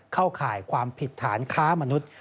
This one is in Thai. ข่ายความผิดฐานค้ามนุษย์